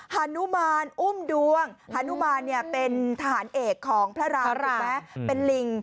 หานุมานอุ้มดวงหานุมานเนี่ยนะเป็นทหารเอกของภรรานะเป็นลิง